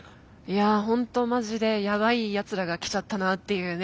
いやホントマジでやばいやつらが来ちゃったなっていうね。